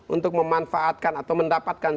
untuk memanfaatkan atau mendapatkan